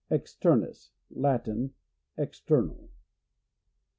Externus. — Latin. External.